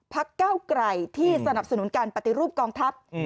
เก้าไกลที่สนับสนุนการปฏิรูปกองทัพ